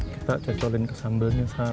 kita cocokin ke sambalnya sar